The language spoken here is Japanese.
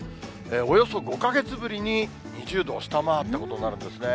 およそ５か月ぶりに２０度を下回ったことになるんですね。